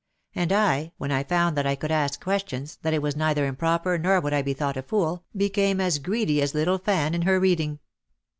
And I, when I found that I could ask questions, that it was neither improper nor would I be thought a fool, became as greedy as little Fan in her reading.